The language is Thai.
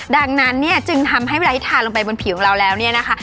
ดังนั้นเนี่ยจึงทำให้เวลาที่ทาลงไปบนผิวของเราแล้วเนี่ยนะคะ